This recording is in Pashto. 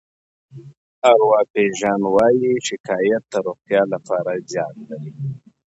ارواپيژان وايي شکایت د روغتیا لپاره زیان لري.